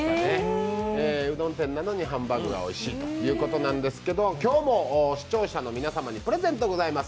うどん店なのにハンバーグがおいしいということなんですけど今日も視聴者の皆様にプレゼントがございます。